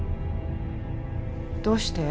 どうして？